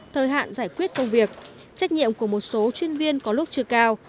thời hạn giải quyết công việc trách nhiệm của một số chuyên viên có lúc chưa cao